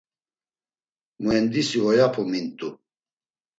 Muendisi oyapu mint̆u.